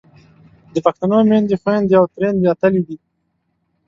د پښتنو میندې، خویندې او تریندې اتلې دي.